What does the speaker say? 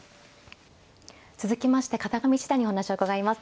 続きまして片上七段にお話を伺います。